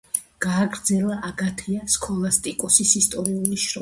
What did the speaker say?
გააგრძელა აგათია სქოლასტიკოსის ისტორიული შრომა.